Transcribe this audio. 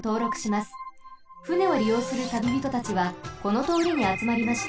船をりようする旅人たちはこのとおりにあつまりました。